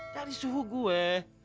dari suhu gue